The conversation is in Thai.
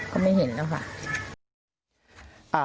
ก็ไม่เห็นแล้วค่ะ